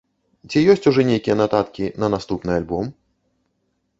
Ці ёсць ужо нейкія нататкі на наступны альбом?